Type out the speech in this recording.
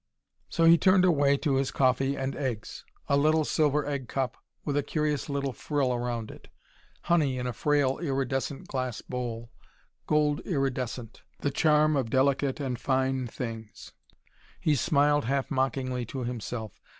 So he turned away to his coffee and eggs. A little silver egg cup with a curious little frill round it: honey in a frail, iridescent glass bowl, gold iridescent: the charm of delicate and fine things. He smiled half mockingly to himself.